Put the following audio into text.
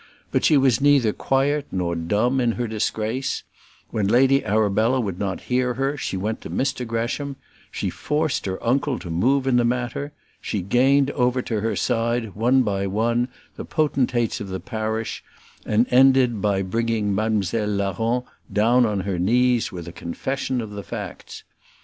But she was neither quiet nor dumb in her disgrace. When Lady Arabella would not hear her, she went to Mr Gresham. She forced her uncle to move in the matter. She gained over to her side, one by one, the potentates of the parish, and ended by bringing Mam'selle Larron down on her knees with a confession of the facts.